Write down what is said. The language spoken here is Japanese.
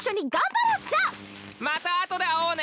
また後で会おうね！